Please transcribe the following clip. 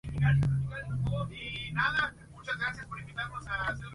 Finalmente, resolvió instalarse definitivamente en Nueva York.